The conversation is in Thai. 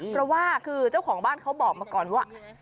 เพราะว่าคือเจ้าของบ้านเขาบอกมาก่อนว่า